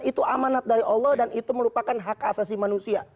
itu amanat dari allah dan itu merupakan hak asasi manusia